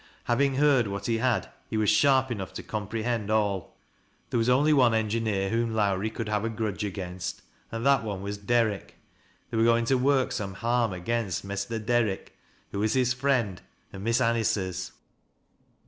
Having lieard what he had, he was sharp enough tc comprehend all. There was only one engineer whom Lowrie could havt a grudge against, and that one was Derrick. They were going to work some harm against " Mester Derrick," who was his friend and Miss Anice's.